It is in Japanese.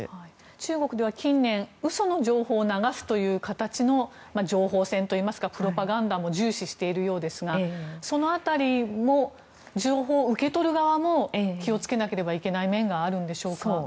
中国では近年嘘の情報を流す形の情報戦といいますかプロパガンダも重視しているようですがその辺り、情報を受け取る側も気を付けなければいけない面があるんでしょうか。